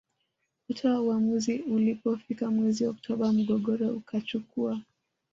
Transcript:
kutoa uamuzi Ulipofika mwezi Oktoba mgogoro ukachukua